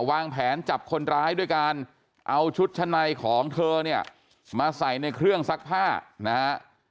วางแผนจับคนร้ายด้วยการเอาชุดชั้นในของเธอเนี่ยมาใส่ในเครื่องซักผ้านะฮะ